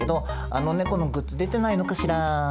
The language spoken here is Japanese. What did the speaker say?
あの猫のグッズ出てないのかしら？